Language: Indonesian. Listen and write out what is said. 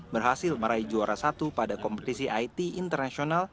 berhasil meraih juara satu pada kompetisi it internasional